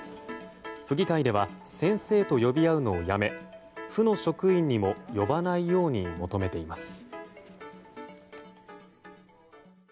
府議会では「先生」と呼び合うのをやめ府の職員にも呼ばないように求めています。